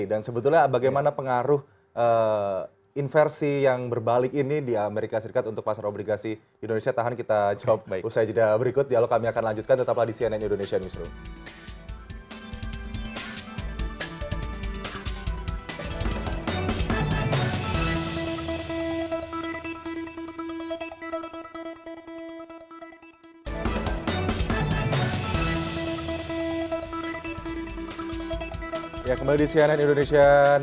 dan sebetulnya bagaimana pengaruh inversi yang berbalik ini di amerika serikat untuk pasar obligasi indonesia